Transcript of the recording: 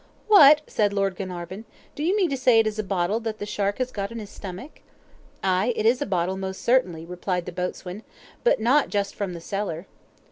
"What!" said Lord Glenarvan. "Do you mean to say it is a bottle that the shark has got in his stomach." "Ay, it is a bottle, most certainly," replied the boatswain, "but not just from the cellar."